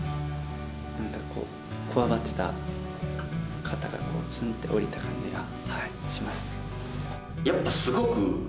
何かこわばってた肩がスンって下りた感じがしますね。